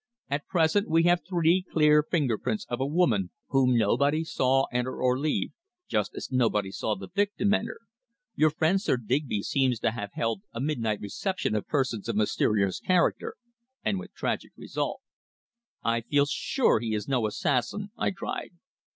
At present we have three clear finger prints of a woman whom nobody saw enter or leave, just as nobody saw the victim enter. Your friend Sir Digby seems to have held a midnight reception of persons of mysterious character, and with tragic result." "I feel sure he is no assassin," I cried.